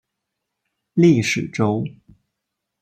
历史轴。